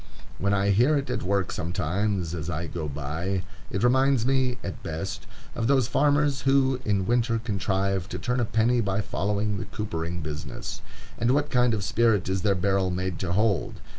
When I hear it at work sometimes, as I go by, it reminds me, at best, of those farmers who in winter contrive to turn a penny by following the coopering business. And what kind of spirit is their barrel made to hold?